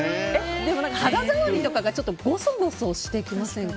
でも肌触りとかがボソボソしてきませんか？